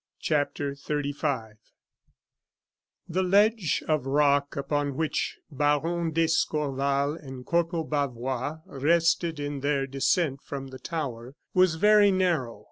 CHAPTER XXXV The ledge of rock upon which Baron d'Escorval and Corporal Bavois rested in their descent from the tower was very narrow.